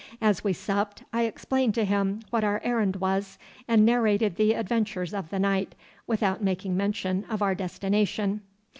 As we supped, I explained to him what our errand was, and narrated the adventures of the night, without making mention of our destination.